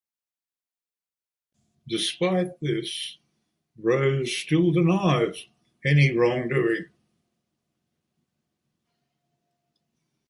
Despite this, Rose still denies any wrongdoing.